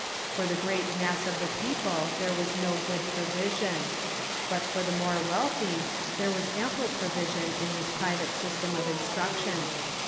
For the great mass of the people there was no good provision. But for the more wealthy there was ample provision in this private system of instruction.